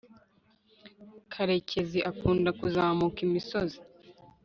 karekezi akunda kuzamuka imisozi